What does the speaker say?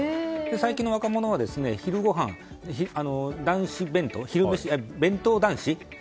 最近の若者は昼ごはんに弁当男子？